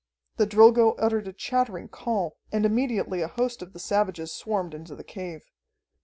The Drilgo uttered a chattering call, and immediately a host of the savages swarmed into the cave.